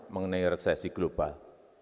mengenai resesi global